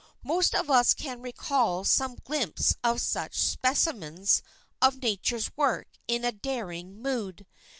Most of us can recall some glimpse of such specimens of Nature's work in a daring mood.